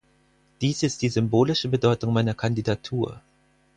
Dies ist die symbolische Bedeutung meiner Kandidatur.